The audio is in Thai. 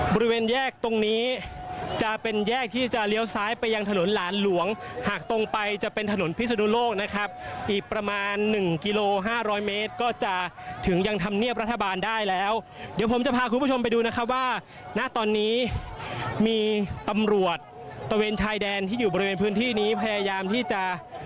บริเวณแยกตรงนี้จะเป็นแยกที่จะเลี้ยวซ้ายไปยังถนนหลานหลวงหากตรงไปจะเป็นถนนพิศนุโลกนะครับอีกประมาณหนึ่งกิโลห้าร้อยเมตรก็จะถึงยังธรรมเนียบรัฐบาลได้แล้วเดี๋ยวผมจะพาคุณผู้ชมไปดูนะครับว่าณตอนนี้มีตำรวจตะเวนชายแดนที่อยู่บริเวณพื้นที่นี้พยายามที่จะ